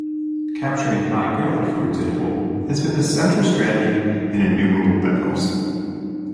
Capturing high ground, for example, has been the central strategy in innumerable battles.